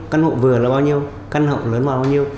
căn hộ vừa là bao nhiêu căn hộ lớn màu bao nhiêu